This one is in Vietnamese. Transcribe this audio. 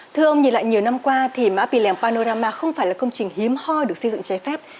thưa ông nhìn lại nhiều năm qua thì mã pì lèng panorama không phải là công trình hiếm hoi được xây dựng trái phép